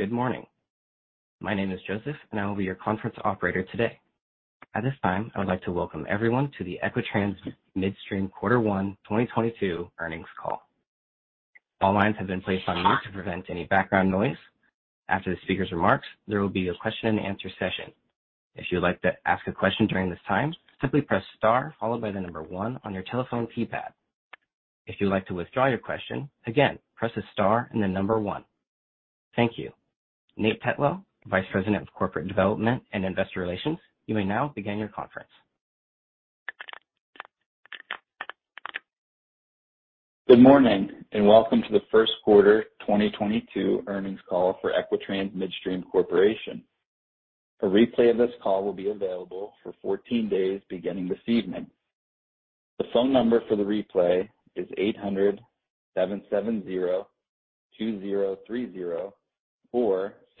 Good morning. My name is Joseph, and I will be your conference operator today. At this time, I would like to welcome everyone to the Equitrans Midstream Quarter 1 2022 earnings call. All lines have been placed on mute to prevent any background noise. After the speaker's remarks, there will be a question and answer session. If you'd like to ask a question during this time, simply press Star followed by the number 1 on your telephone keypad. If you'd like to withdraw your question again, press Star and then number 1. Thank you. Nathan Tetlow, Vice President of Corporate Development and Investor Relations, you may now begin your conference. Good morning and welcome to the first quarter 2022 earnings call for Equitrans Midstream Corporation. A replay of this call will be available for 14 days beginning this evening.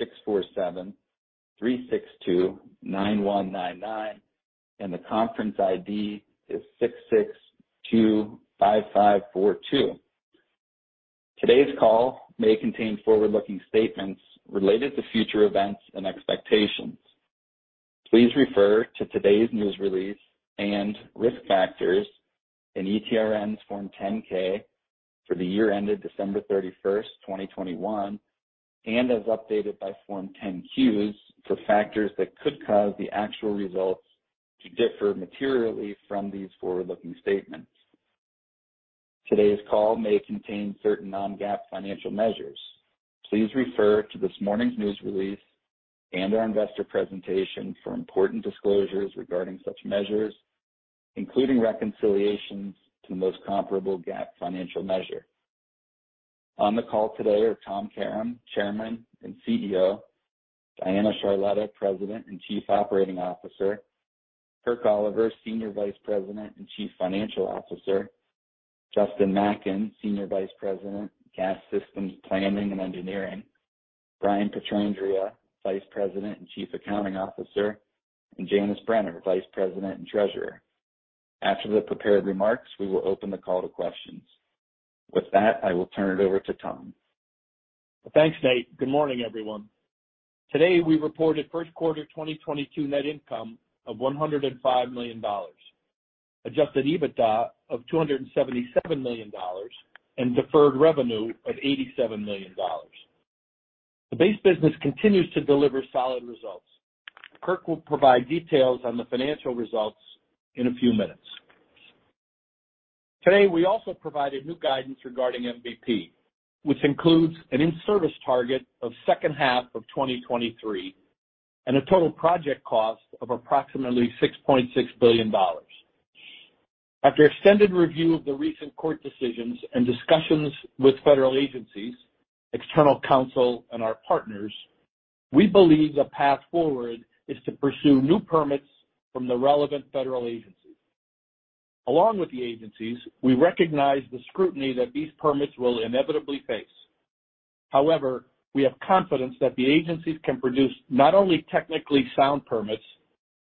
The phone number for the replay is 800-770-2030 or 647-362-9199, and the conference ID is 662-5542. Today's call may contain forward-looking statements related to future events and expectations. Please refer to today's news release and risk factors in ETRN's Form 10-K for the year ended December 31, 2021, and as updated by Form 10-Qs for factors that could cause the actual results to differ materially from these forward-looking statements. Today's call may contain certain non-GAAP financial measures. Please refer to this morning's news release and our investor presentation for important disclosures regarding such measures, including reconciliations to the most comparable GAAP financial measure. On the call today are Thomas Karam, Chairman and CEO, Diana Charletta, President and Chief Operating Officer, Kirk Oliver, Senior Vice President and Chief Financial Officer, Justin Macken, Senior Vice President, Gas Systems Planning and Engineering, Brian Pietrandrea, Vice President and Chief Accounting Officer, and Janice Brenner, Vice President and Treasurer. After the prepared remarks, we will open the call to questions. With that, I will turn it over to Thomas. Thanks, Nate. Good morning, everyone. Today we reported first quarter 2022 net income of $105 million, adjusted EBITDA of $277 million and deferred revenue of $87 million. The base business continues to deliver solid results. Kirk will provide details on the financial results in a few minutes. Today, we also provided new guidance regarding MVP, which includes an in-service target of second half of 2023 and a total project cost of approximately $6.6 billion. After extended review of the recent court decisions and discussions with federal agencies, external counsel and our partners, we believe the path forward is to pursue new permits from the relevant federal agencies. Along with the agencies, we recognize the scrutiny that these permits will inevitably face. However, we have confidence that the agencies can produce not only technically sound permits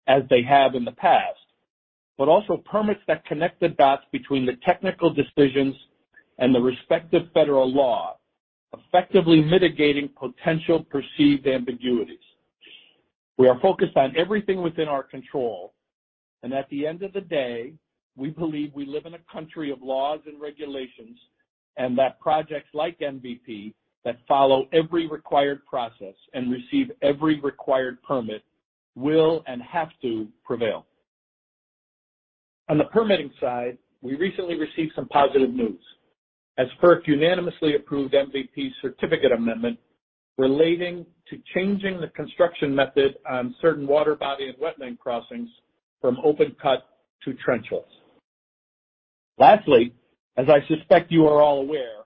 as they have in the past, but also permits that connect the dots between the technical decisions and the respective federal law, effectively mitigating potential perceived ambiguities. We are focused on everything within our control, and at the end of the day, we believe we live in a country of laws and regulations, and that projects like MVP that follow every required process and receive every required permit will and have to prevail. On the permitting side, we recently received some positive news, as FERC unanimously approved MVP certificate amendment relating to changing the construction method on certain water body and wetland crossings from open cut to trenchless. Lastly, as I suspect you are all aware,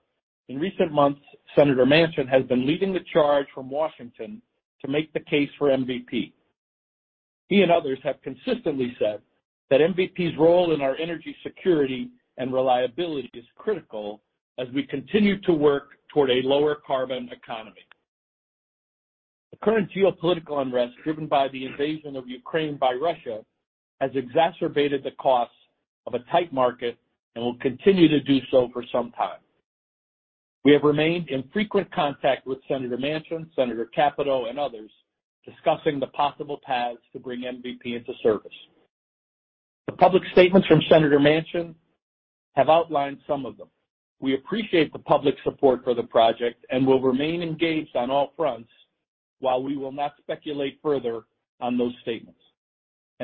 in recent months, Senator Manchin has been leading the charge from Washington to make the case for MVP. He and others have consistently said that MVP's role in our energy security and reliability is critical as we continue to work toward a lower carbon economy. The current geopolitical unrest driven by the invasion of Ukraine by Russia has exacerbated the costs of a tight market and will continue to do so for some time. We have remained in frequent contact with Senator Manchin, Senator Capito and others discussing the possible paths to bring MVP into service. The public statements from Senator Manchin have outlined some of them. We appreciate the public support for the project and will remain engaged on all fronts while we will not speculate further on those statements.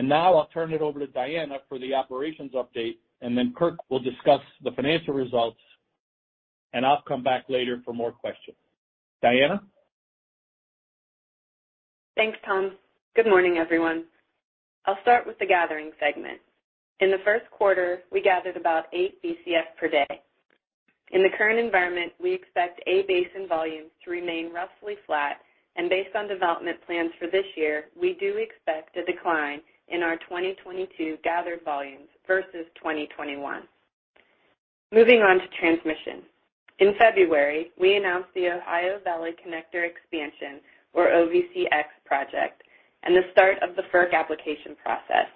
Now I'll turn it over to Diana for the operations update, and then Kirk will discuss the financial results, and I'll come back later for more questions. Diana? Thanks, Tom. Good morning, everyone. I'll start with the gathering segment. In the first quarter, we gathered about 8 BCF per day. In the current environment, we expect Appalachian Basin volumes to remain roughly flat. Based on development plans for this year, we do expect a decline in our 2022 gathered volumes versus 2021. Moving on to transmission. In February, we announced the Ohio Valley Connector expansion or OVCX project and the start of the FERC application process.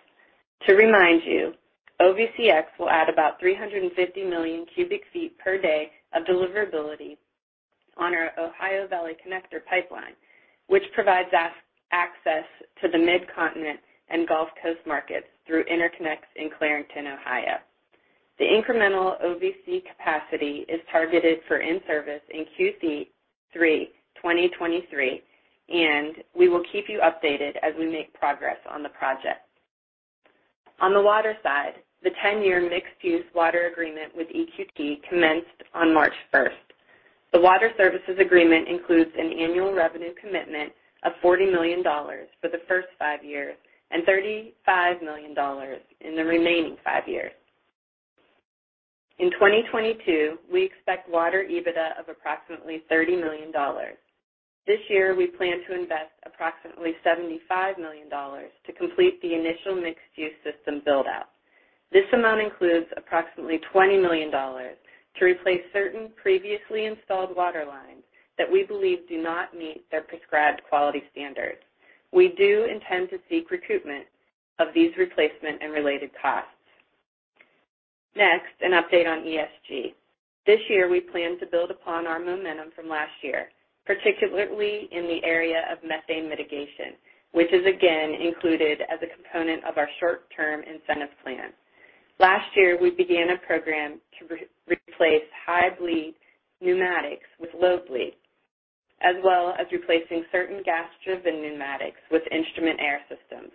To remind you, OVCX will add about 350 million cubic feet per day of deliverability on our Ohio Valley Connector pipeline, which provides us access to the Midcontinent and Gulf Coast markets through interconnects in Clarington, Ohio. The incremental OVC capacity is targeted for in-service in Q3 2023, and we will keep you updated as we make progress on the project. On the water side, the 10-year mixed-use water agreement with EQT commenced on March 1. The water services agreement includes an annual revenue commitment of $40 million for the first 5 years and $35 million in the remaining 5 years. In 2022, we expect water EBITDA of approximately $30 million. This year, we plan to invest approximately $75 million to complete the initial mixed-use system build-out. This amount includes approximately $20 million to replace certain previously installed water lines that we believe do not meet their prescribed quality standards. We do intend to seek reimbursement of these replacement and related costs. Next, an update on ESG. This year we plan to build upon our momentum from last year, particularly in the area of methane mitigation, which is again included as a component of our short-term incentive plan. Last year, we began a program to replace high bleed pneumatics with low bleed, as well as replacing certain gas-driven pneumatics with instrument air systems.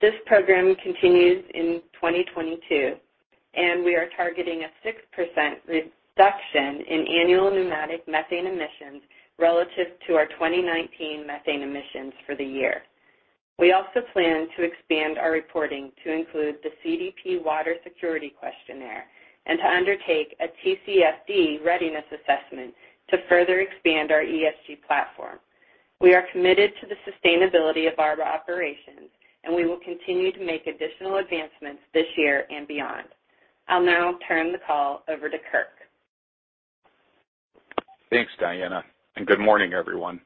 This program continues in 2022, and we are targeting a 6% reduction in annual pneumatic methane emissions relative to our 2019 methane emissions for the year. We also plan to expand our reporting to include the CDP Water Security Questionnaire and to undertake a TCFD readiness assessment to further expand our ESG platform. We are committed to the sustainability of our operations, and we will continue to make additional advancements this year and beyond. I'll now turn the call over to Kirk. Thanks, Diana, and good morning, everyone.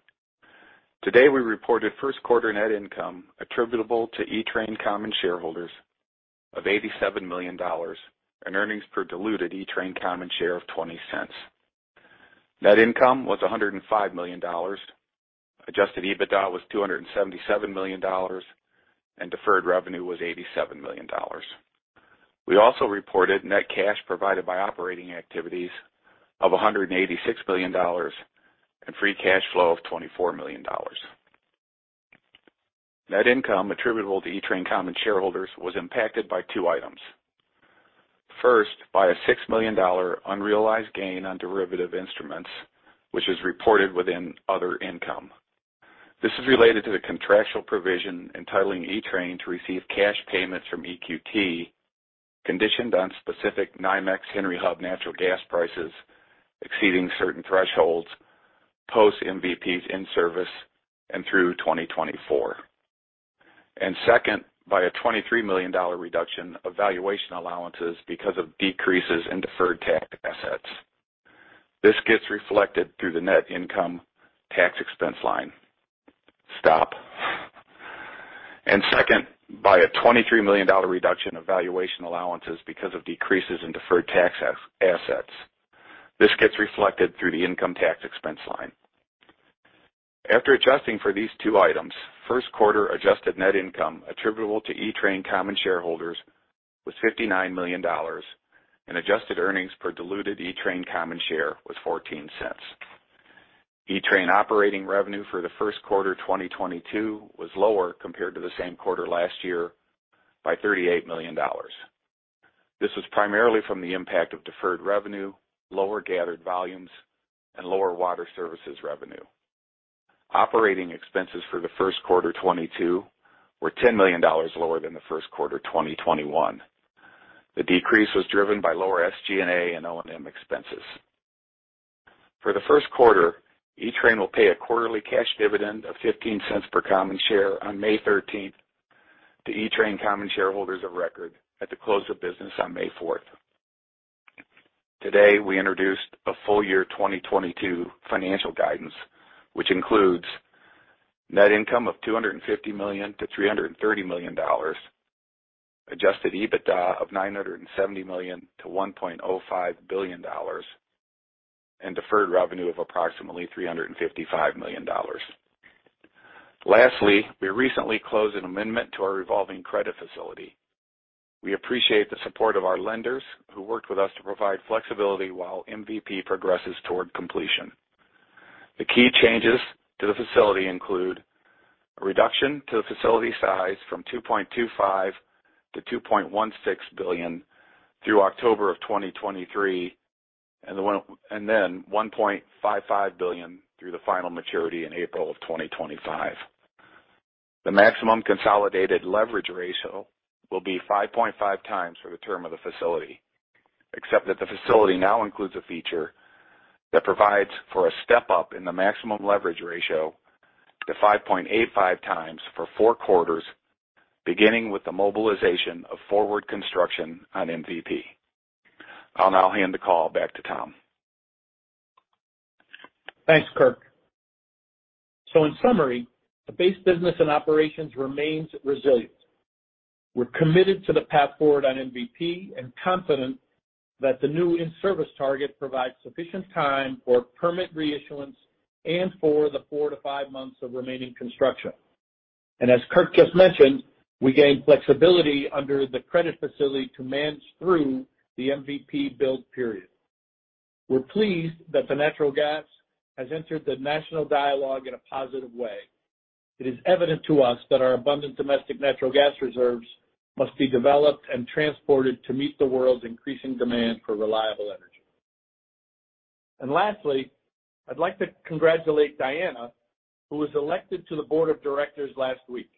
Today, we reported first quarter net income attributable to ETRN common shareholders of $87 million and earnings per diluted ETRN common share of $0.20. Net income was $105 million. Adjusted EBITDA was $277 million, and deferred revenue was $87 million. We also reported net cash provided by operating activities of $186 million and free cash flow of $24 million. Net income attributable to ETRN common shareholders was impacted by two items. First, by a $6 million unrealized gain on derivative instruments, which is reported within other income. This is related to the contractual provision entitling ETRN to receive cash payments from EQT, conditioned on specific NYMEX Henry Hub natural gas prices exceeding certain thresholds post MVP's in service and through 2024. Second, by a $23 million reduction of valuation allowances because of decreases in deferred tax assets. This gets reflected through the income tax expense line. After adjusting for these two items, first quarter adjusted net income attributable to ETRN common shareholders was $59 million and adjusted earnings per diluted ETRN common share was $0.14. ETRN operating revenue for the first quarter 2022 was lower compared to the same quarter last year by $38 million. This was primarily from the impact of deferred revenue, lower gathered volumes, and lower water services revenue. Operating expenses for the first quarter 2022 were $10 million lower than the first quarter 2021. The decrease was driven by lower SG&A and O&M expenses. For the first quarter, Equitrans will pay a quarterly cash dividend of $0.15 per common share on May thirteenth to Equitrans common shareholders of record at the close of business on May fourth. Today, we introduced a full-year 2022 financial guidance, which includes net income of $250 million-$330 million, adjusted EBITDA of $970 million-$1.05 billion, and deferred revenue of approximately $355 million. Lastly, we recently closed an amendment to our revolving credit facility. We appreciate the support of our lenders who worked with us to provide flexibility while MVP progresses toward completion. The key changes to the facility include a reduction to the facility size from $2.25 billion to $2.16 billion through October of 2023, and then $1.55 billion through the final maturity in April of 2025. The maximum consolidated leverage ratio will be 5.5x for the term of the facility, except that the facility now includes a feature that provides for a step-up in the maximum leverage ratio to 5.85x for four quarters, beginning with the mobilization of forward construction on MVP. I'll now hand the call back to Tom. Thanks, Kirk. In summary, the base business and operations remains resilient. We're committed to the path forward on MVP and confident that the new in-service target provides sufficient time for permit reissuance and for the 4-5 months of remaining construction. As Kirk just mentioned, we gained flexibility under the credit facility to manage through the MVP build period. We're pleased that the natural gas has entered the national dialogue in a positive way. It is evident to us that our abundant domestic natural gas reserves must be developed and transported to meet the world's increasing demand for reliable energy. Lastly, I'd like to congratulate Diana, who was elected to the board of directors last week.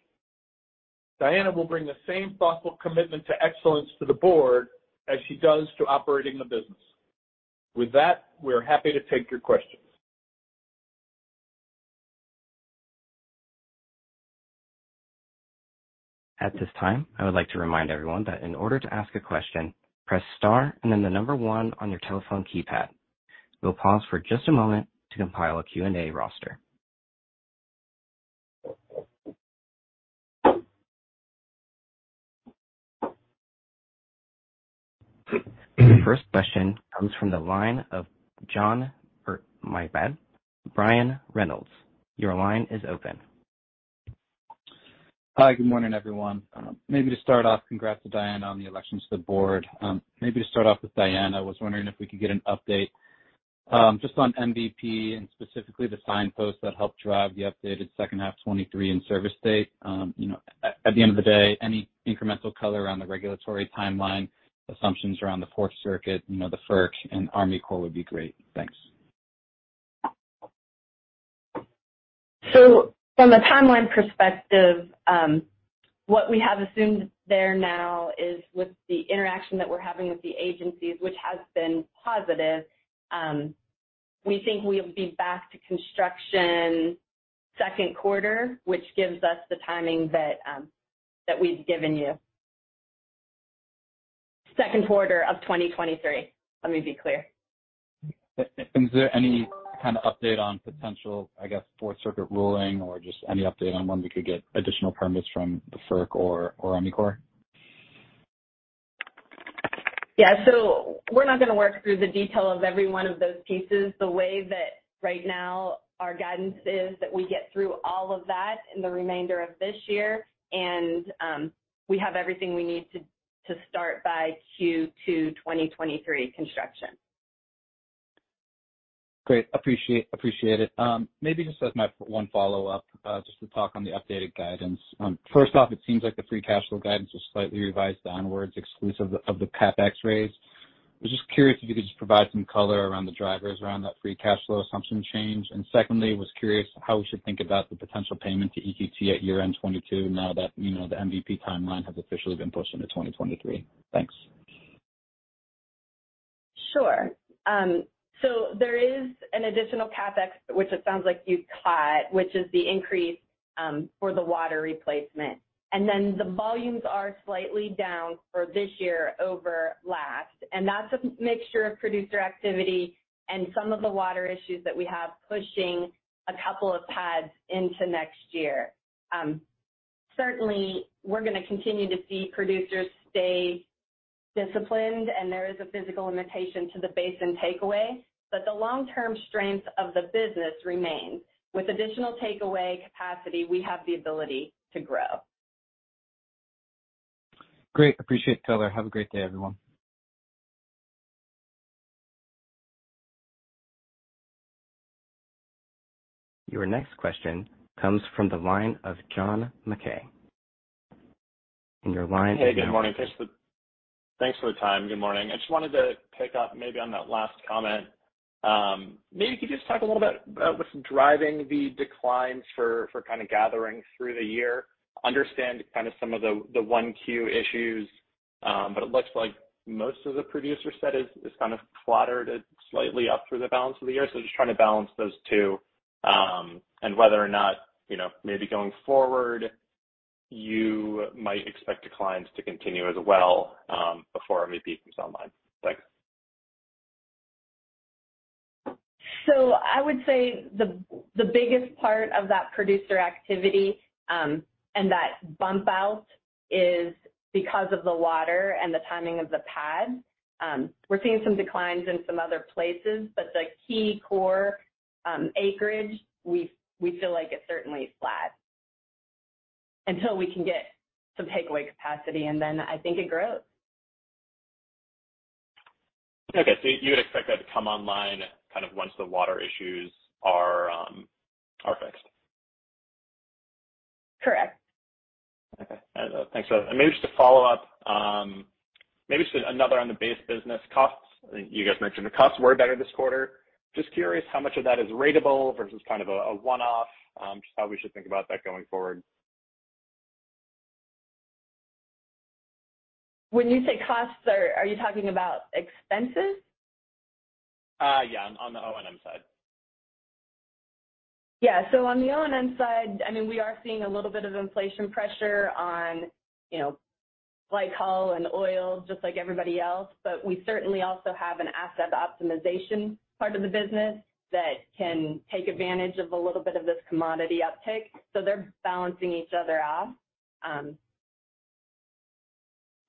Diana will bring the same thoughtful commitment to excellence to the board as she does to operating the business. With that, we're happy to take your questions. At this time, I would like to remind everyone that in order to ask a question, press star and then the number one on your telephone keypad. We'll pause for just a moment to compile a Q&A roster. The first question comes from the line of Brian Reynolds. Your line is open. Hi, good morning, everyone. Maybe to start off, congrats to Diana on the election to the board. Maybe to start off with Diana, I was wondering if we could get an update, just on MVP and specifically the signposts that help drive the updated second half 2023 in-service date. You know, at the end of the day, any incremental color around the regulatory timeline, assumptions around the Fourth Circuit, you know, the FERC and Army Corps would be great. Thanks. From a timeline perspective, what we have assumed there now is with the interaction that we're having with the agencies, which has been positive, we think we'll be back to construction second quarter, which gives us the timing that we've given you. Second quarter of 2023. Let me be clear. Is there any kind of update on potential, I guess, Fourth Circuit ruling or just any update on when we could get additional permits from the FERC or Army Corps? Yeah. We're not gonna work through the detail of every one of those pieces. The way that right now our guidance is that we get through all of that in the remainder of this year, and we have everything we need to start by Q2 2023 construction. Great. Appreciate it. Maybe just as my one follow-up, just to talk on the updated guidance. First off, it seems like the free cash flow guidance was slightly revised downwards exclusive of the CapEx raise. I was just curious if you could just provide some color around the drivers around that free cash flow assumption change. Secondly, was curious how we should think about the potential payment to ETT at year-end 2022 now that, you know, the MVP timeline has officially been pushed into 2023. Thanks. Sure. There is an additional CapEx, which it sounds like you've caught, which is the increase for the water replacement. The volumes are slightly down for this year over last, and that's a mixture of producer activity and some of the water issues that we have pushing a couple of pads into next year. Certainly, we're gonna continue to see producers stay disciplined, and there is a physical limitation to the basin takeaway. The long-term strength of the business remains. With additional takeaway capacity, we have the ability to grow. Great. Appreciate the color. Have a great day, everyone. Your next question comes from the line of John Mackay. Your line is now open. Hey, good morning. Thanks for the time. Good morning. I just wanted to pick up maybe on that last comment. Maybe you could just talk a little bit, what's driving the declines for kinda gathering through the year. Understand kind of some of the 1Q issues, but it looks like most of the producer set is kind of flattening slightly up through the balance of the year. Just trying to balance those two, and whether or not, you know, maybe going forward you might expect declines to continue as well, before MVP comes online. Thanks. I would say the biggest part of that producer activity, and that bump out is because of the water and the timing of the pad. We're seeing some declines in some other places, but the key core acreage, we feel like it's certainly flat until we can get some takeaway capacity, and then I think it grows. Okay. You would expect that to come online kind of once the water issues are fixed? Correct. Okay. Thanks for that. Maybe just to follow up, maybe just another on the base business costs. I think you guys mentioned the costs were better this quarter. Just curious how much of that is ratable versus kind of a one-off, just how we should think about that going forward. When you say costs, are you talking about expenses? Yeah, on the O&M side. Yeah. On the O&M side, I mean, we are seeing a little bit of inflation pressure on, you know, light haul and oil just like everybody else. We certainly also have an asset optimization part of the business that can take advantage of a little bit of this commodity uptick. They're balancing each other out.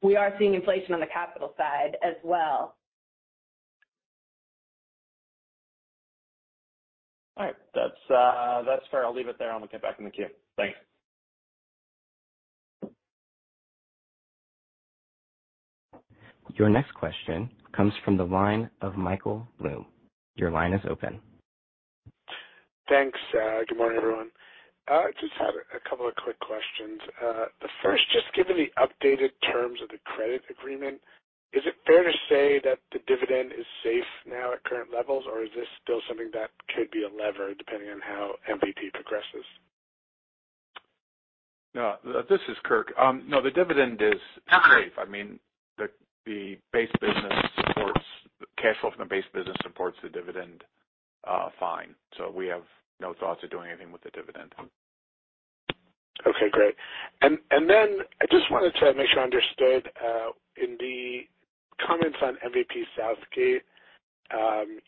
We are seeing inflation on the capital side as well. All right. That's fair. I'll leave it there, and we'll get back in the queue. Thanks. Your next question comes from the line of Michael Blum. Your line is open. Thanks. Good morning, everyone. Just had a couple of quick questions. The first, just given the updated terms of the credit agreement, is it fair to say that the dividend is safe now at current levels, or is this still something that could be a lever depending on how MVP progresses? No, this is Kirk. No, the dividend is safe. I mean, cash flow from the base business supports the dividend fine. We have no thoughts of doing anything with the dividend. Okay, great. I just wanted to make sure I understood in the comments on MVP Southgate,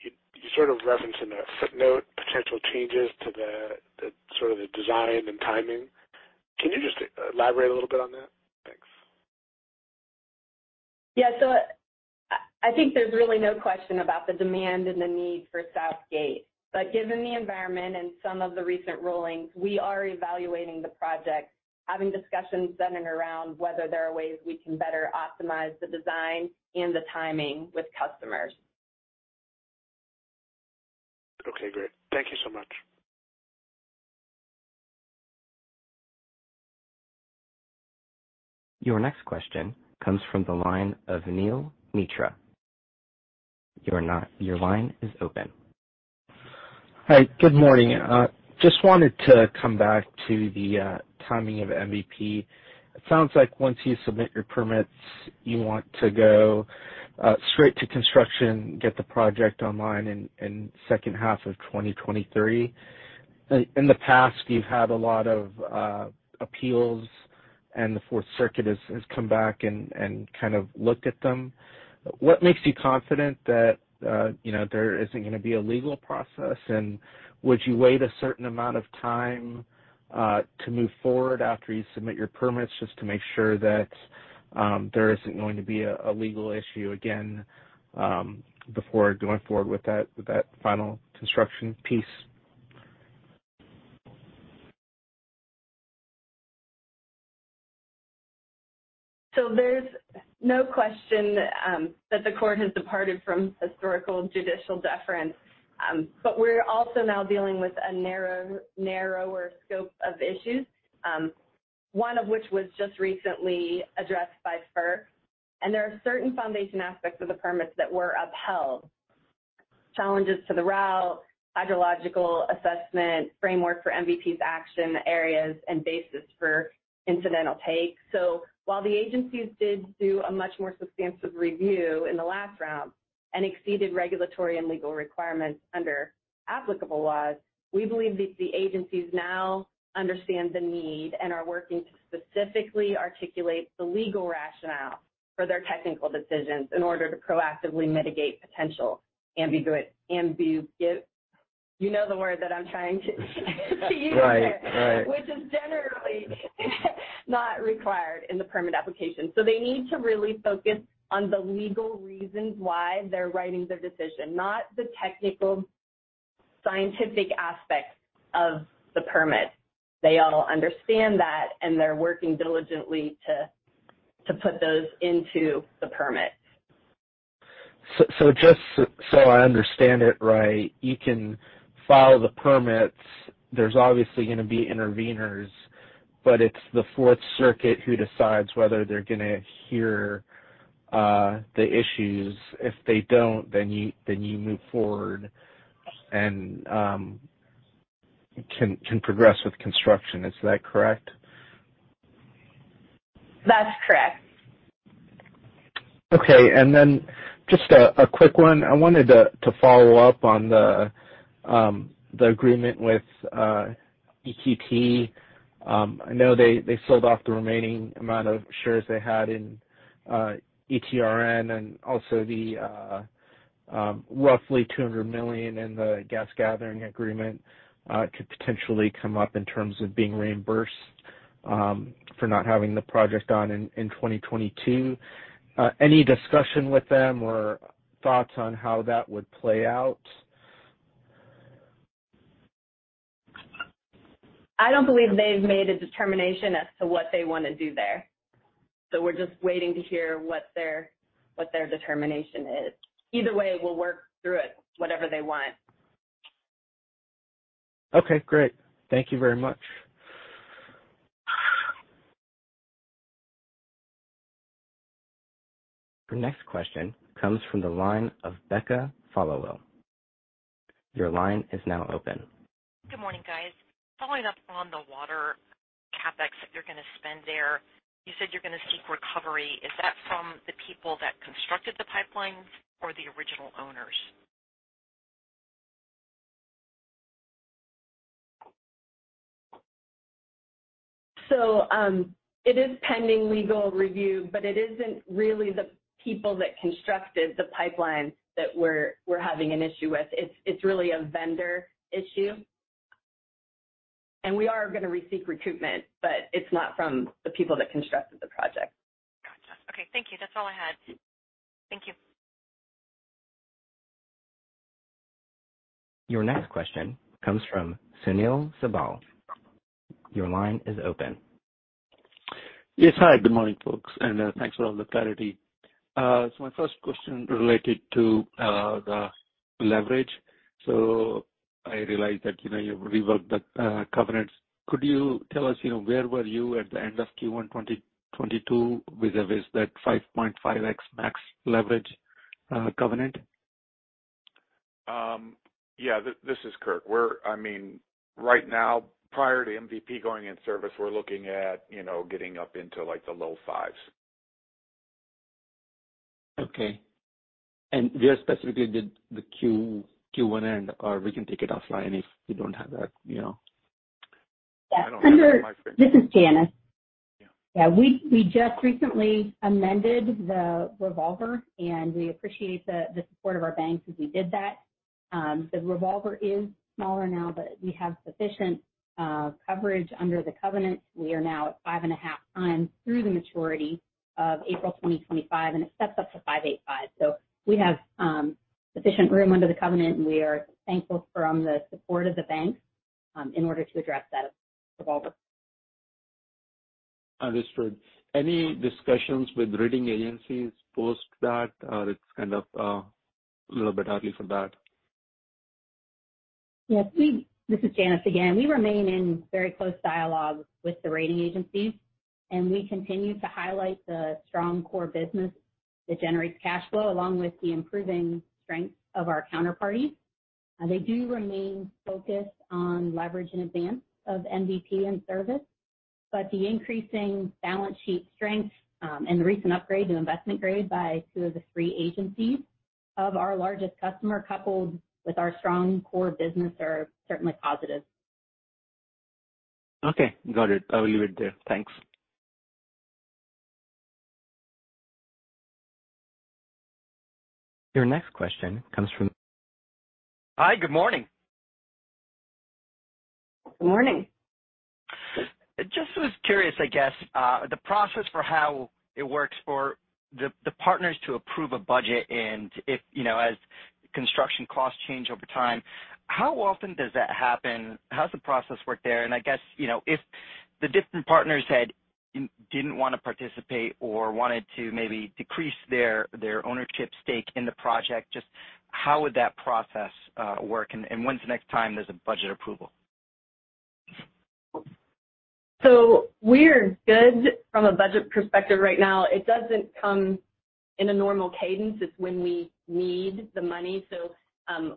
you sort of referenced in a footnote potential changes to the sort of design and timing. Can you just elaborate a little bit on that? Thanks. Yeah. I think there's really no question about the demand and the need for Southgate. Given the environment and some of the recent rulings, we are evaluating the project, having discussions centered around whether there are ways we can better optimize the design and the timing with customers. Okay, great. Thank you so much. Your next question comes from the line of Neil Mehta. Your line is open. Hi. Good morning. Just wanted to come back to the timing of MVP. It sounds like once you submit your permits, you want to go straight to construction, get the project online in the second half of 2023. In the past, you've had a lot of appeals and the Fourth Circuit has come back and kind of looked at them. What makes you confident that, you know, there isn't gonna be a legal process? Would you wait a certain amount of time to move forward after you submit your permits just to make sure that there isn't going to be a legal issue again before going forward with that final construction piece? There's no question that the court has departed from historical judicial deference. We're also now dealing with a narrower scope of issues, one of which was just recently addressed by FERC. There are certain foundation aspects of the permits that were upheld, challenges to the route, hydrological assessment, framework for MVP's action areas, and basis for incidental take. While the agencies did do a much more substantive review in the last round and exceeded regulatory and legal requirements under applicable laws, we believe that the agencies now understand the need and are working to specifically articulate the legal rationale for their technical decisions in order to proactively mitigate potential ambiguity. Right. Right. Which is generally not required in the permit application. They need to really focus on the legal reasons why they're writing their decision, not the technical scientific aspects of the permit. They all understand that, and they're working diligently to put those into the permit. Just so I understand it right, you can file the permits. There's obviously gonna be interveners, but it's the Fourth Circuit who decides whether they're gonna hear the issues. If they don't, then you move forward and can progress with construction. Is that correct? That's correct. Okay. Just a quick one. I wanted to follow up on the agreement with EQT. I know they sold off the remaining amount of shares they had in ETRN and also the roughly $200 million in the gas gathering agreement could potentially come up in terms of being reimbursed for not having the project on in 2022. Any discussion with them or thoughts on how that would play out? I don't believe they've made a determination as to what they wanna do there, so we're just waiting to hear what their determination is. Either way, we'll work through it, whatever they want. Okay, great. Thank you very much. Your next question comes from the line of Becca Followill. Your line is now open. Good morning, guys. Following up on the water CapEx that you're gonna spend there, you said you're gonna seek recovery. Is that from the people that constructed the pipelines or the original owners? It is pending legal review, but it isn't really the people that constructed the pipeline that we're having an issue with. It's really a vendor issue. We are gonna seek recoupment, but it's not from the people that constructed the project. Gotcha. Okay. Thank you. That's all I had. Thank you. Your next question comes from Sunil Sibal. Your line is open. Yes. Hi, good morning, folks, and thanks for all the clarity. My first question related to the leverage. I realize that, you know, you reworked the covenants. Could you tell us, you know, where were you at the end of Q1 2022 with respect to the 5.5x max leverage covenant? Yeah. This is Kirk. I mean, right now, prior to MVP going in service, we're looking at, you know, getting up into like the low fives. Okay. Just specifically the Q1 end, or we can take it offline if you don't have that, you know. I don't have it on my screen. This is Janice. Yeah. Yeah, we just recently amended the revolver, and we appreciate the support of our banks as we did that. The revolver is smaller now, but we have sufficient coverage under the covenant. We are now at 5.5x through the maturity of April 2025, and it steps up to 5.85x. We have sufficient room under the covenant, and we are thankful for the support of the bank in order to address that revolver. Understood. Any discussions with rating agencies post that, or it's kind of, a little bit early for that? Yes. This is Janice again. We remain in very close dialogue with the rating agencies, and we continue to highlight the strong core business that generates cash flow, along with the improving strength of our counterparties. They do remain focused on leverage in advance of MVP in service, but the increasing balance sheet strength, and the recent upgrade to investment grade by two of the three agencies of our largest customer, coupled with our strong core business, are certainly positive. Okay. Got it. I will leave it there. Thanks. Your next question comes from. Hi. Good morning. Morning. I was curious, I guess, the process for how it works for the partners to approve a budget and if, you know, as construction costs change over time, how often does that happen? How does the process work there? I guess, you know, if the different partners didn't wanna participate or wanted to maybe decrease their ownership stake in the project, just how would that process work? When's the next time there's a budget approval? We're good from a budget perspective right now. It doesn't come in a normal cadence. It's when we need the money.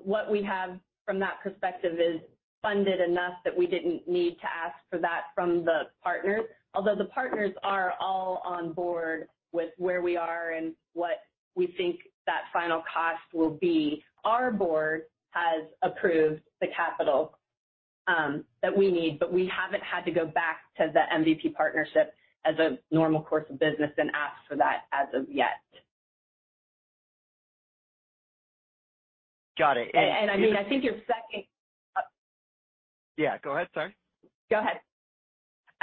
What we have from that perspective is funded enough that we didn't need to ask for that from the partners. Although the partners are all on board with where we are and what we think that final cost will be, our board has approved the capital that we need, but we haven't had to go back to the MVP partnership as a normal course of business and ask for that as of yet. Got it. I mean, I think your second. Yeah, go ahead. Sorry. Go ahead.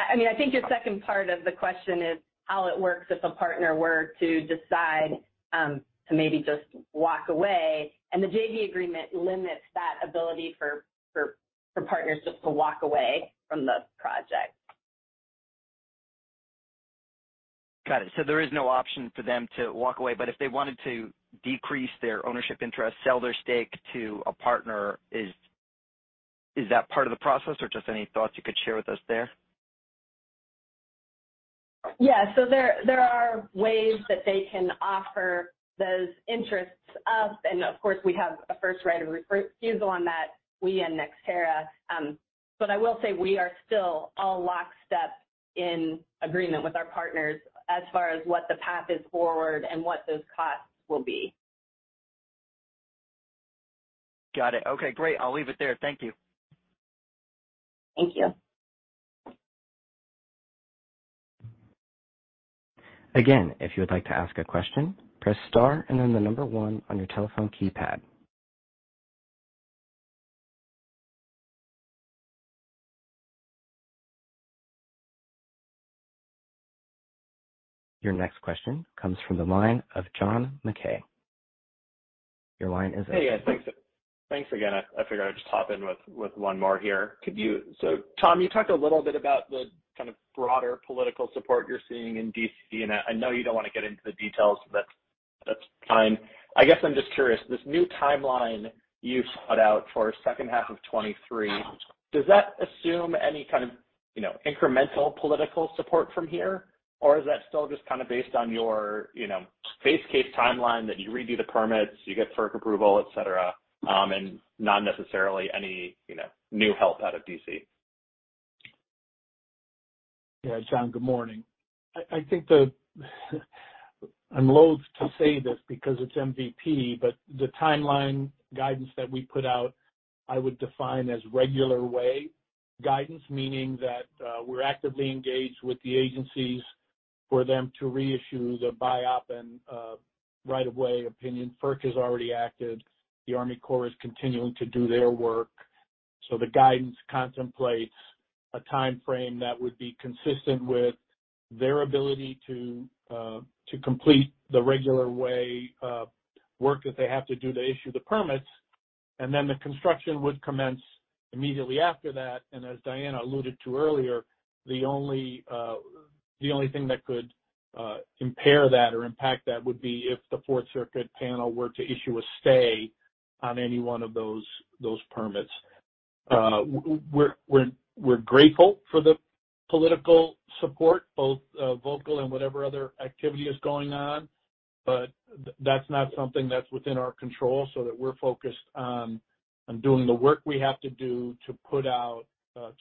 I mean, I think your second part of the question is how it works if a partner were to decide to maybe just walk away. The JV agreement limits that ability for partners just to walk away from the project. Got it. There is no option for them to walk away, but if they wanted to decrease their ownership interest, sell their stake to a partner, is that part of the process or just any thoughts you could share with us there? Yeah. There are ways that they can offer those interests up, and of course, we have a right of first refusal on that, we and NextEra. I will say we are still all lockstep in agreement with our partners as far as what the path is forward and what those costs will be. Got it. Okay, great. I'll leave it there. Thank you. Thank you. Again, if you would like to ask a question, press star and then the number one on your telephone keypad. Your next question comes from the line of John Mackay. Your line is open. Hey, guys. Thanks again. I figured I'd just hop in with one more here. Tom, you talked a little bit about the kind of broader political support you're seeing in D.C., and I know you don't want to get into the details. That's fine. I guess I'm just curious. This new timeline you sought out for second half of 2023, does that assume any kind of, you know, incremental political support from here? Or is that still just kinda based on your, you know, base case timeline that you redo the permits, you get FERC approval, et cetera, and not necessarily any, you know, new help out of D.C.? Yeah, John, good morning. I think the-- I'm loathe to say this because it's MVP, but the timeline guidance that we put out I would define as regular way guidance, meaning that, we're actively engaged with the agencies for them to reissue the BiOp and right-of-way opinion. FERC has already acted. The U.S. Army Corps is continuing to do their work. The guidance contemplates a timeframe that would be consistent with their ability to complete the regular way work that they have to do to issue the permits. Then the construction would commence immediately after that. As Diana alluded to earlier, the only thing that could impair that or impact that would be if the Fourth Circuit panel were to issue a stay on any one of those permits. We're grateful for the political support, both vocal and whatever other activity is going on, but that's not something that's within our control. We're focused on doing the work we have to do to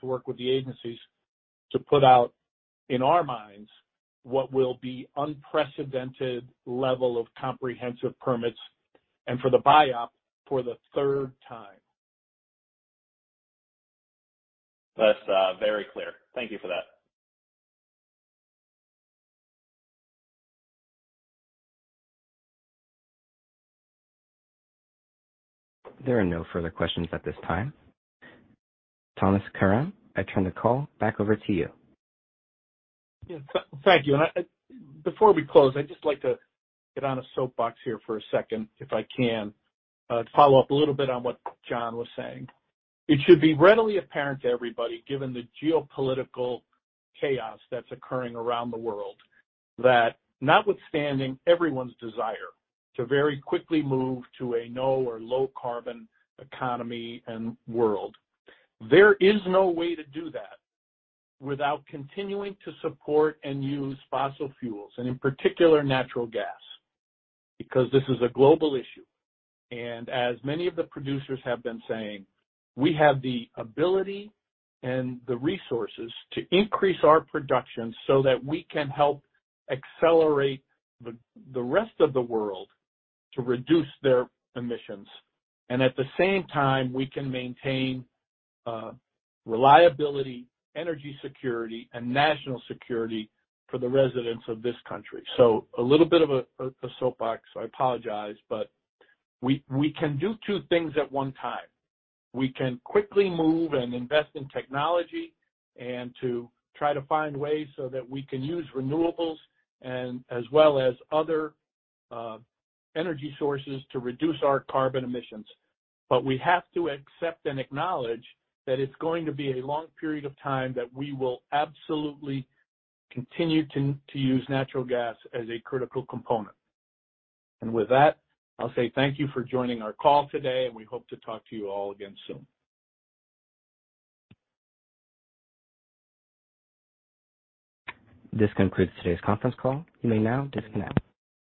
work with the agencies to put out, in our minds, what will be unprecedented level of comprehensive permits and for the BiOp for the third time. That's very clear. Thank you for that. There are no further questions at this time. Thomas Karam, I turn the call back over to you. Yeah, thank you. I, before we close, I'd just like to get on a soapbox here for a second, if I can, to follow up a little bit on what John was saying. It should be readily apparent to everybody, given the geopolitical chaos that's occurring around the world, that notwithstanding everyone's desire to very quickly move to a no or low carbon economy and world, there is no way to do that without continuing to support and use fossil fuels, and in particular, natural gas, because this is a global issue. As many of the producers have been saying, we have the ability and the resources to increase our production so that we can help accelerate the rest of the world to reduce their emissions. At the same time, we can maintain reliability, energy security, and national security for the residents of this country. A little bit of a soapbox, I apologize, but we can do two things at one time. We can quickly move and invest in technology and to try to find ways so that we can use renewables and as well as other energy sources to reduce our carbon emissions. We have to accept and acknowledge that it's going to be a long period of time that we will absolutely continue to use natural gas as a critical component. With that, I'll say thank you for joining our call today, and we hope to talk to you all again soon. This concludes today's conference call. You may now disconnect.